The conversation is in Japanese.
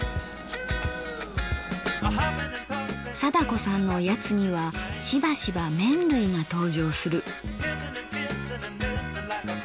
貞子さんのおやつにはしばしば麺類が登場する。